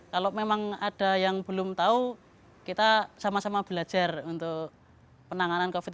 kalau memang ada yang belum tahu kita sama sama belajar untuk penanganan covid sembilan belas